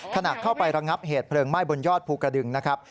ขณะเข้าไประงับเหตุเพลิงไหม้บนยอดภูกระดึงนะครับ